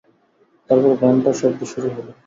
তারপর ঘন্টার শব্দ শুরু হল।